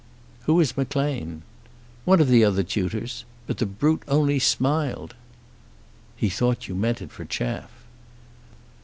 "Who is Maclean?" "One of the other tutors. But the brute only smiled." "He thought you meant it for chaff."